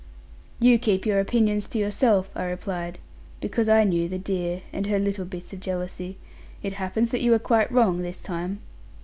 'You keep your opinions to yourself,' I replied; because I knew the dear, and her little bits of jealousy; 'it happens that you are quite wrong, this time.